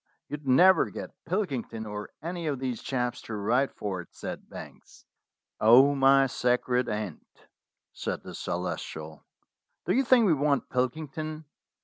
"You'd never get Pilkington or any of these chaps to write for it," said Banks. "Oh, my sacred aunt!" said the Celestial, "do you think we want Pilkington?